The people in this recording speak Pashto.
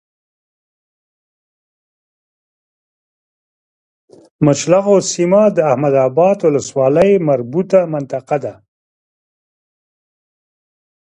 مچلغو سيمه د احمداباد ولسوالی مربوطه منطقه ده